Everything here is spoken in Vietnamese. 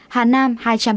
hà nam hai trăm ba mươi